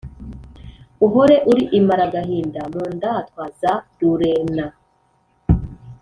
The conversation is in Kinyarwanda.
uhore uri imaragahinda mu ndatwa za rurerna,